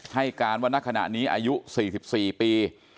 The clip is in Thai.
ให้การว่าณขณะนี้อายุ๔๔ปี